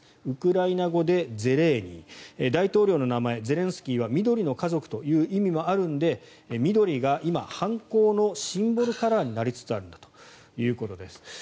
ウクライナ語でゼレーニー大統領の名前、ゼレンスキーは緑の家族という意味もあるので緑が今、反抗のシンボルカラーになりつつあるんだということです。